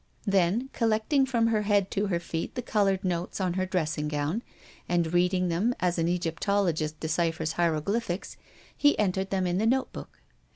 Then, collecting from her head to her feet the colored notes on her dressing gown, and reading them as an Egyptologist deciphers hieroglyphics, he entered them in the notebook.